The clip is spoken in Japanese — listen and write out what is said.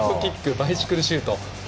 バイシクルシュート。